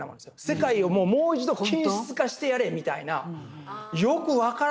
世界をもう一度均質化してやれみたいなよく分からない